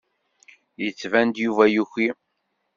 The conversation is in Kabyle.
Yettban-d Yuba yuki.